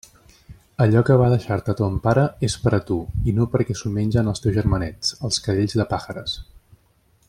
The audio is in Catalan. Allò que va deixar-te ton pare és per a tu, i no perquè s'ho mengen els teus germanets, els cadells de Pajares.